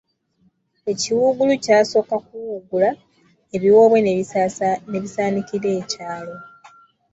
Ekiwuugulu kyasooka kuwuugula, ebiwoobe ne bisaanikira ekyalo.